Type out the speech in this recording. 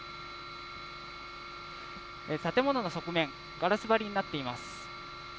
建物の側面、ガラス張りになっています。